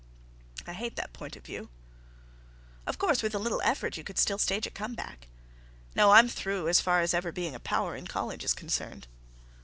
"I hate that point of view." "Of course, with a little effort you could still stage a comeback." "No—I'm through—as far as ever being a power in college is concerned."